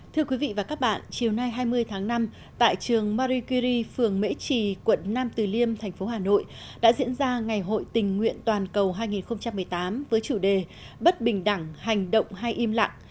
thưa quý vị và các bạn chiều nay hai mươi tháng năm tại trường marikiri phường mễ trì quận nam từ liêm thành phố hà nội đã diễn ra ngày hội tình nguyện toàn cầu hai nghìn một mươi tám với chủ đề bất bình đẳng hành động hay im lặng